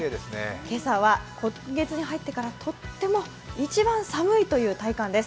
今朝は、今月に入ってからとっても一番寒いという体感です。